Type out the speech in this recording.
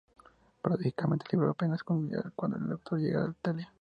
Paradójicamente, el libro apenas concluye cuando el autor llega a Italia.